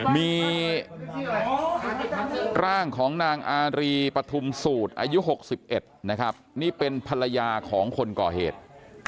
มีร่างของนางอารีปฐุมสูตรอายุ๖๑นะครับนี่เป็นภรรยาของคนก่อเหตุ